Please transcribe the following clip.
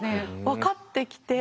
分かってきて。